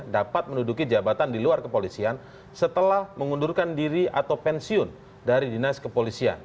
dapat menduduki jabatan di luar kepolisian setelah mengundurkan diri atau pensiun dari dinas kepolisian